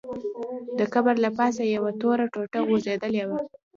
د قبر له پاسه یوه توره ټوټه غوړېدلې وه.